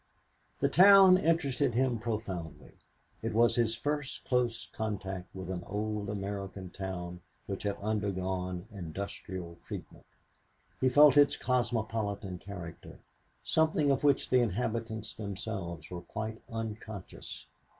The town interested him profoundly. It was his first close contact with an old American town which had undergone industrial treatment. He felt its cosmopolitan character, something of which the inhabitants themselves were quite unconscious.